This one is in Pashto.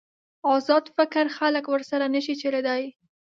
ازاد فکر خلک ورسره نشي چلېدای.